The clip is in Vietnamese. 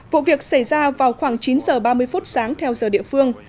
vụ việc xảy ra vào khoảng chín giờ ba mươi phút sáng theo giờ địa phương